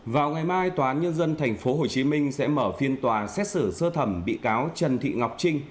vào ngày mai tòa án nhân dân tp hồ chí minh sẽ mở phiên tòa xét xử sơ thẩm bị cáo trần thị ngọc trinh